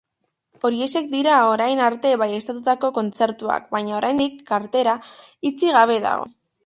Horiexek dira orain arte baieztatutako kontzertuak, baina oraindik kartela itxi gabe dago.